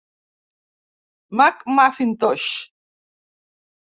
Mac Macintosh.